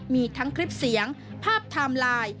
มีทั้งคลิปเสียงภาพไทม์ไลน์